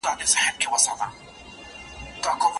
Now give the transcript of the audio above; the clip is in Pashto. هغه شاګرد چي له استاد سره پوره جوړ دی ډېر ژر بریالی کیږي.